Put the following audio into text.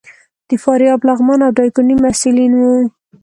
د فاریاب، لغمان او ډایکنډي محصلین وو.